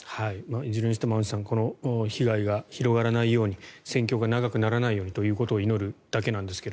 いずれにしてもアンジュさんこの被害が広がらないように戦況が長くならないようにということを祈るだけなんですが。